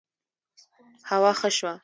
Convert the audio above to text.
هوا ښه شوه